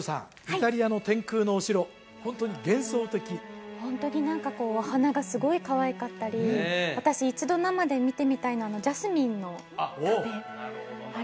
イタリアの天空のお城ホントに幻想的ホントに何かこうお花がすごいかわいかったり私一度生で見てみたいのはジャスミンの壁